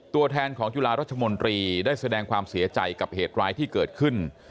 ตัวแทนของจุฬารัชมนตรีได้แสดงความเสียใจกับเหตุร้ายที่เกิดขึ้น